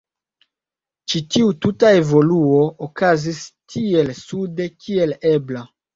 Ĉi tiu tuta evoluo okazis tiel sude kiel ebla.